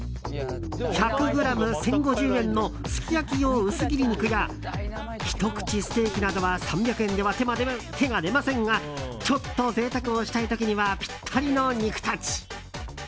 １００ｇ１０５０円のすき焼き用うす切り肉やひとくちステーキなどは３００円では手が出ませんがちょっと贅沢をしたい時にはぴったりの肉たち。